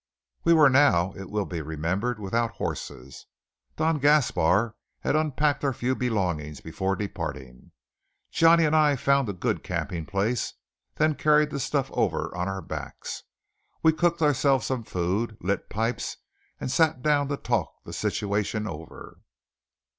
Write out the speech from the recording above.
We were now, it will be remembered, without horses. Don Gaspar had unpacked our few belongings before departing. Johnny and I found a good camping place, then carried the stuff over on our backs. We cooked ourselves some food, lit pipes, and sat down to talk the situation over.